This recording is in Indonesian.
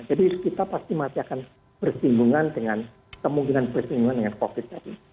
kita pasti masih akan bersinggungan dengan kemungkinan bersinggungan dengan covid tadi